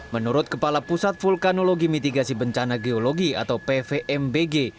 menurut kepala pusat vulkanologi mitigasi bencana geologi atau pvmbg